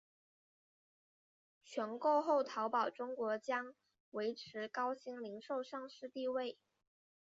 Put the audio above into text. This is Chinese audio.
全购后淘宝中国将维持高鑫零售上市地位。